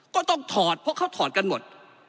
ก็ต้องถอดเพราะเขาถอดกันหมด